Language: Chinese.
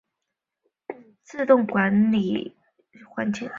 用以实现新的数字证书认证机构的协议被称为自动证书管理环境。